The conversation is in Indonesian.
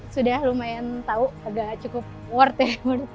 sudah lumayan tahu agak cukup worth ya